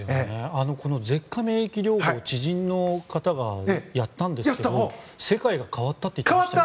舌下免疫療法知人の方がやったんですけど世界が変わったと言っていましたよ。